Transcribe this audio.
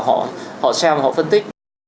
họ xem họ phân tích